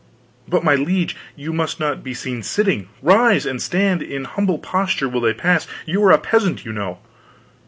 "But my liege! You must not be seen sitting. Rise! and stand in humble posture while they pass. You are a peasant, you know."